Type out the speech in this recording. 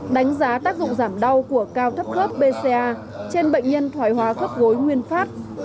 đánh giá tác dụng giảm đau của cao thấp khớp bca trên bệnh nhân thoái hóa khớp gối nguyên phát